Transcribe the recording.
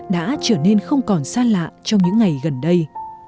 đã trở nên không còn xa lạ trong những ngày gần đây